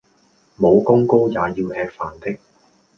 武功高也要吃飯的